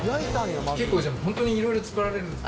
結構、本当にいろいろ作られるんですね？